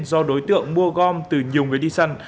do đối tượng mua gom từ nhiều người đi săn